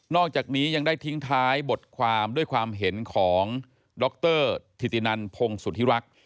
อกจากนี้ยังได้ทิ้งท้ายบทความด้วยความเห็นของดรธิตินันพงศุธิรักษ์